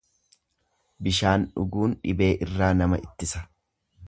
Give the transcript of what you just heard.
Bishaan dhuguun dhibee irraa nama ittisa.